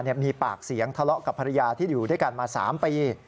มีปากเสียงทะเลาะกับภรรยาที่อยู่ด้วยกันมา๓ปี